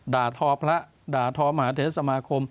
ด่าทอพระด่าทอมหาเทศสมาคม